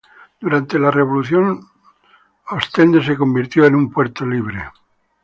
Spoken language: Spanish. Durante la Revolución estadounidense Ostende se convirtió en un puerto libre.